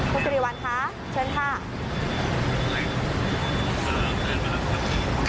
คุณสิริวัลค่ะเชิญค่ะ